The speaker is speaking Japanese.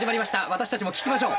私たちも聞きましょう。